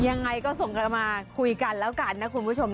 ยังไงก็ส่งกันมาคุยกันแล้วกันนะคุณผู้ชม